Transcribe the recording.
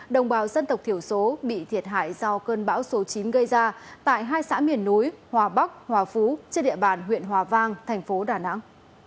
đồng bào dân tộc thiểu số bị thiệt hại do cơn bão số chín gây ra tại hai xã miền núi hòa bắc hòa phú trên địa bàn huyện hòa vang thành phố đà nẵng